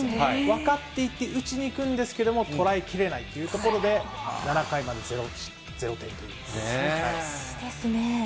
分かっていて、打ちにいくんですけれども、捉えきれないというところで、すばらしいですね。